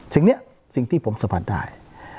สิ่งนี้สิ่งที่ผมสัมผัสได้